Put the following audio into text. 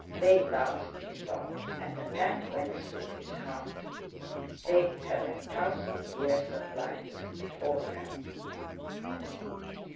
"They last!" he thought, and a pang went through his heart. They had a thousand years of life before them!